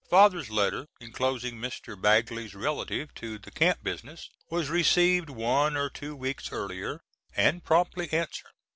Father's letter, enclosing Mr. Bagley's relative to the Camp business, was received one or two weeks earlier, and promptly answered.